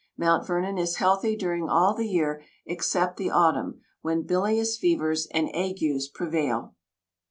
Mount Vernon is healthy during all the year except the autumn, when bilious fevers and agues prevail.